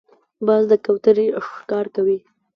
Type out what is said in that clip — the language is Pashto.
باز د کوترې ښکار کوي